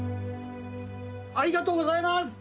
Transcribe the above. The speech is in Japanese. ありがとうございます！